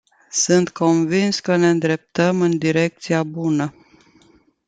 Sunt convins că ne îndreptăm în direcția bună.